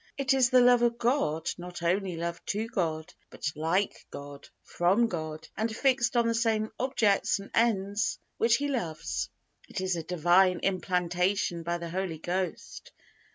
It is the love of God not only love to God, but like God, from God, and fixed on the same objects and ends which He loves. It is a Divine implantation by the Holy Ghost.